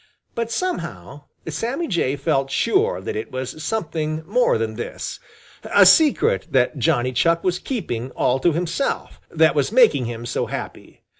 But somehow Sammy Jay felt sure that it was something more than this, a secret that Johnny Chuck was keeping all to himself, that was making him so happy.